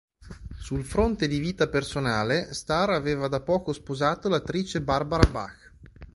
Sul fronte di vita personale, Starr aveva da poco sposato l'attrice Barbara Bach.